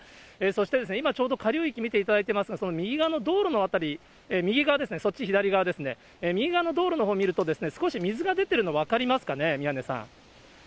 そして、今ちょうど下流域見ていただいていますが、その右側の道路の辺り、右側ですね、そっち、左側ですね、右側の道路のほうを見ると、少し水が出てるの分かりますかね、宮根さん。